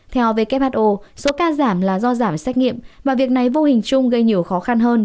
theo who số ca giảm là do giảm xét nghiệm và việc này vô hình chung gây nhiều khó khăn hơn